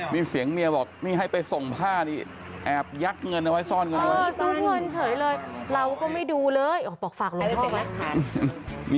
มีเสียงเมียบอกให้ไปส่งผ้ากิน